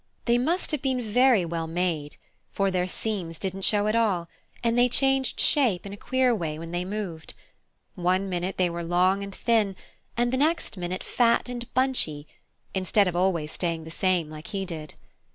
They must have been very well made, for their seams didn't show at all, and they changed shape in a queer way when they moved; one minute they were long and thin and the next minute fat and bunchy, instead of always staying the same like he did.